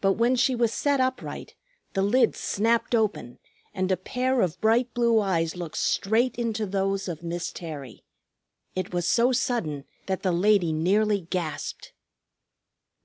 But when she was set upright the lids snapped open and a pair of bright blue eyes looked straight into those of Miss Terry. It was so sudden that the lady nearly gasped.